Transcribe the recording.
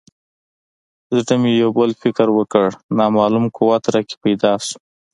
زړه مې یو بل فکر وکړ یو نامعلوم قوت راکې پیدا شو.